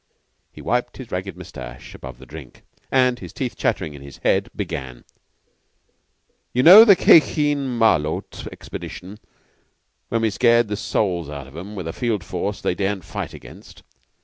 He wiped his ragged mustache above the drink; and, his teeth chattering in his head, began: "You know the Khye Kheen Malôt expedition, when we scared the souls out of 'em with a field force they daren't fight against?